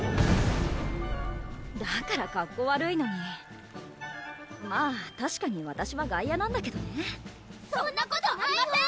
だからかっこ悪いのにまぁたしかにわたしは外野なんだけどね・そんなことありません！